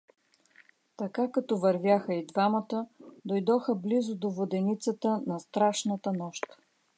Така, като вървяха и двамата, дойдоха близо до воденицата на страшната нощ.